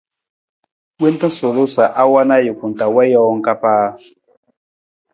Wonta suulung sa a wan ajuku taa wii jawang ka paa.